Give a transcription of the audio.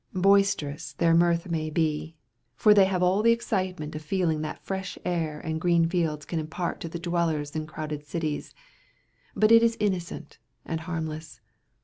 Boisterous their mirth may be, for they have all the excitement of feeling that fresh air and green fields can impart to the dwellers in crowded cities, but it is innocent and harmless.